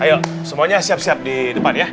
ayo semuanya siap siap di depan ya